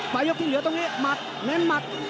ประยกตรงเหลือตรงนี้มัดแม้มัด